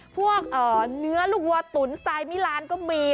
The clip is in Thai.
พวกเนื้อลูกวัวตุ๋นสไตล์มิลานก็มี